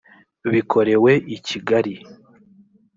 bikorewe i kigali